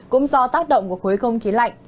cũng do tác động của khối không khí lạnh